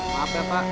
maaf ya pak